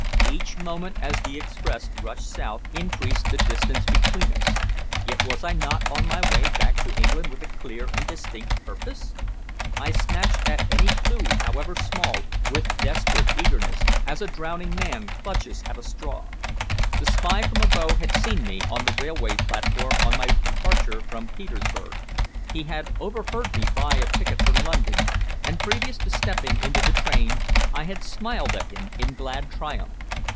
Each moment as the express rushed south increased the distance between us, yet was I not on my way back to England with a clear and distinct purpose? I snatched at any clue, however small, with desperate eagerness, as a drowning man clutches at a straw. The spy from Abo had seen me on the railway platform on my departure from Petersburg. He had overheard me buy a ticket for London, and previous to stepping into the train I had smiled at him in glad triumph.